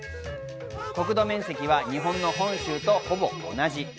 国土面積は日本の本州とほぼ同じ。